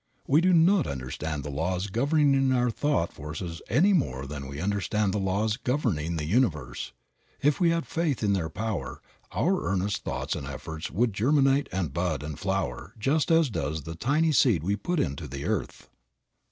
We do not understand the laws governing our thought forces any more than we understand the laws governing the universe. If we had faith in their power, our earnest thoughts and efforts would germinate and bud and flower just as does the tiny seed we put into the earth.